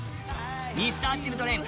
Ｍｒ．Ｃｈｉｌｄｒｅｎ